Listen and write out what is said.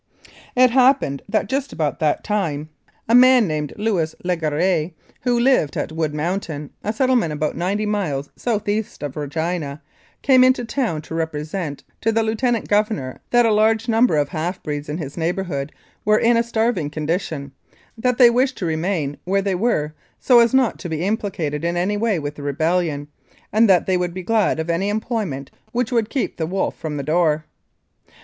It happened that just about that time a man named 21 Mounted Police Life in Canada Louis Legarre", who lived at Wood Mountain, a settle ment about 90 miles south east of Regina, came into town to represent to the Lieutenant Governor that a large number of half breeds in his neighbourhood were in a starving condition, that they wished to remain where they were so as not to be implicated in any way with the rebellion, and that they would be glad of any employment which would keep the wolf from the door.